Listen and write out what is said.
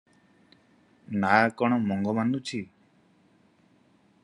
"ନାଆ କଣ ମଙ୍ଗ ମାନୁଛି ।